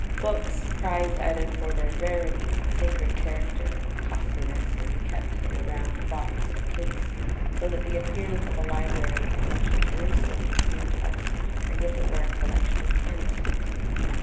Books, prized either for their rarity, sacred character, or costliness, would be kept in a round box or case, so that the appearance of a library in Ancient Jerusalem would seem to us as if it were a collection of canisters.